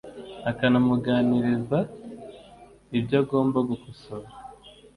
akanamugaragariza ibyo agomba gukosora